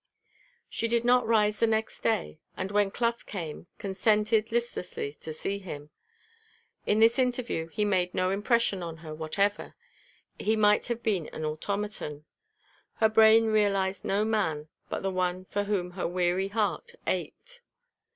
She did not rise the next day, and, when Clough came, consented, listlessly, to see him. In this interview he made no impression on her whatever; he might have been an automaton. Her brain realised no man but the one for whom her weary heart ached.